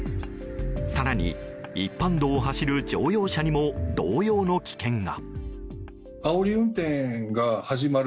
更に一般道を走る乗用車にも同様の危険が。